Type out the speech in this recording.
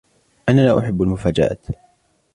أنا لا أحب المفاجآت.